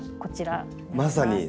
まさに。